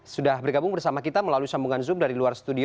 sudah bergabung bersama kita melalui sambungan zoom dari luar studio